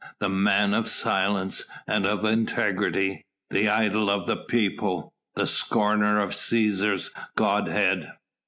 the man of silence and of integrity! the idol of the people, the scorner of Cæsar's godhead.